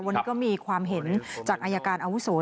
วันนี้ก็มีความเห็นกับและการหน่วยภารกรดิฐาน